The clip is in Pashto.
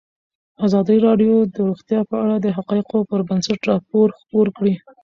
ازادي راډیو د روغتیا په اړه د حقایقو پر بنسټ راپور خپور کړی.